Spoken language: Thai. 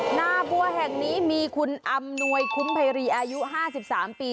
หน้าบัวแห่งนี้มีคุณอำนวยคุ้มภัยรีอายุ๕๓ปี